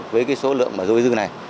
với số lượng dôi dư này